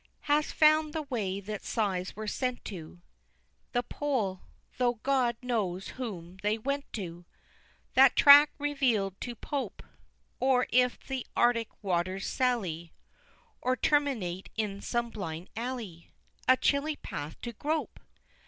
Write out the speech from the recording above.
IV. Hast found the way that sighs were sent to The Pole tho' God knows whom they went to! That track reveal'd to Pope Or if the Arctic waters sally, Or terminate in some blind alley, A chilly path to grope?